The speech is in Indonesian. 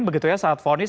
begitu ya saat vonis